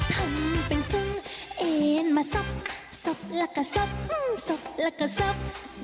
ทำเป็นซื้อเอ็นมาซับซับแล้วก็ซบศพแล้วก็ซับ